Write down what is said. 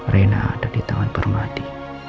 reina ada di tangan pak rungadi